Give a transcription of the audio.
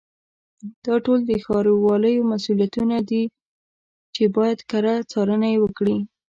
دا ټول د ښاروالیو مسؤلیتونه دي چې باید کره څارنه یې وکړي.